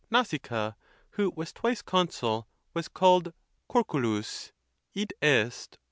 Nasica, who was twice consul, was called Corculus, 7. e.